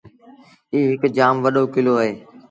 ايٚ هَڪ جآم وڏو ڪلو اهي۔